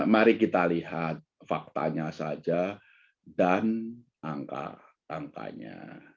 mari kita lihat faktanya saja dan angkanya